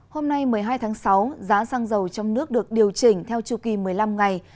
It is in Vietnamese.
hôm nay một mươi hai tháng sáu giá xăng dầu trong nước được điều chỉnh theo chu kỳ một mươi năm ngày